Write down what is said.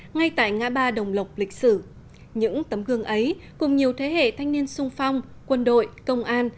ngay tại ngã ba đồng lộc lịch sử những tấm gương ấy cùng nhiều thế hệ thanh niên sung phong quân đội công an